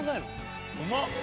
うまっ！